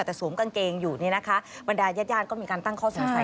แต่สวมกางเกงอยู่เนี่ยนะคะบรรดายาดก็มีการตั้งข้อสงสัย